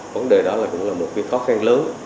vấn đề đó là cũng là một cái khó khăn lớn